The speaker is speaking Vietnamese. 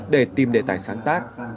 để tìm đề tài sáng tác